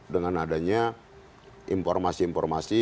dengan adanya informasi informasi